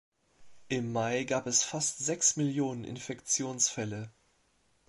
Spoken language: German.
Im Mai gab es fast Sechsmillionen Infektionsfälle.